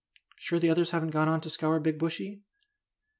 "Sure the others haven't gone on to scour Big Bushy?"